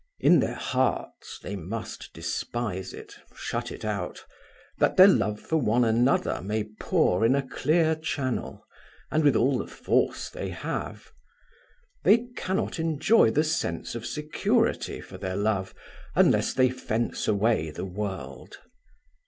In their hearts they must despise it, shut it out, that their love for one another may pour in a clear channel, and with all the force they have. They cannot enjoy the sense of security for their love unless they fence away the world.